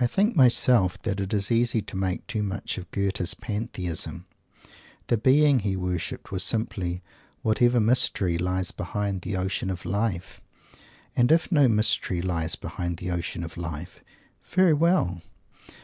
I think myself that it is easy to make too much of Goethe's Pantheism. The Being he worshipped was simply "Whatever Mystery" lies behind the ocean of Life. And if no "mystery" lies behind the ocean of life, very well!